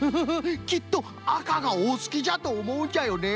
きっとあかがおすきじゃとおもうんじゃよね。